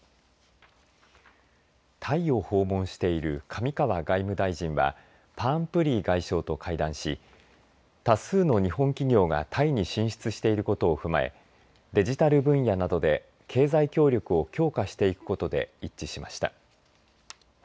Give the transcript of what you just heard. タイを訪問している上川外務大臣はパーンプリー外相と会談し多数の日本企業がタイに進出していることを踏まえデジタル分野などで経済協力を強化していくことで一致しました。